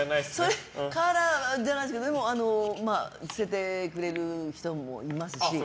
カーラーはないですけど捨ててくれる人もいますし。